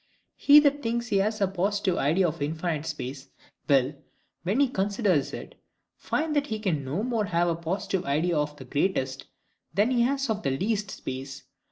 He that thinks he has a positive idea of infinite space, will, when he considers it, find that he can no more have a positive idea of the greatest, than he has of the least space.